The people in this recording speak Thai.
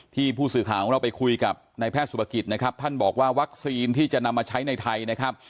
ที่ผู้สื่อข่าวของเราไปคุยกับแพทย์ศุภกิจท่านบอกว่าวัคซีนที่จะนำมาใช้ในไทย